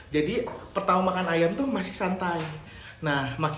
jadi pertama makan ayam tuh masih santai